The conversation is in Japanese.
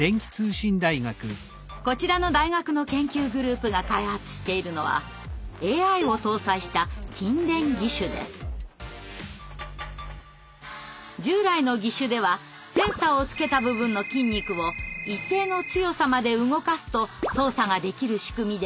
こちらの大学の研究グループが開発しているのは従来の義手ではセンサーをつけた部分の筋肉を一定の強さまで動かすと操作ができる仕組みでしたが。